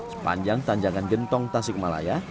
sepanjang tanjakan gentong tasik malaya